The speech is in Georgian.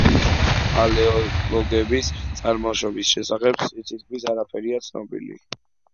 პალეოლოგოსების წარმოშობის შესახებ თითქმის არაფერია ცნობილი.